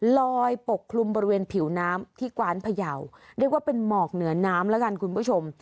ปกคลุมบริเวณผิวน้ำที่กวานพยาวเรียกว่าเป็นหมอกเหนือน้ำแล้วกันคุณผู้ชม